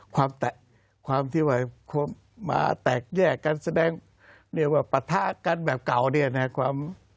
ความที่ว่ามาแตกแยกกันแสดงว่าปะทะกันแบบเก่า